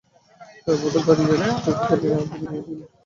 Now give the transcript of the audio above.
তার পরে উঠে দাঁড়িয়ে অল্প একটুখানি আবির নিয়ে দিলে ওর কপালে মাখিয়ে।